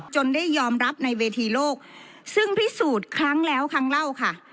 ได้ยอมรับในเวทีโลกซึ่งพิสูจน์ครั้งแล้วครั้งเล่าค่ะ